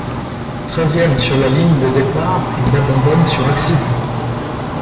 Treizième sur la ligne de départ, il abandonne sur accident.